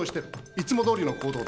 いつもどおりの行動だ。